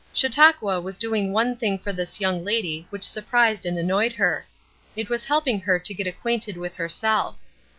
Chautauqua was doing one thing for this young lady which surprised and annoyed her. It was helping her to get acquainted with herself.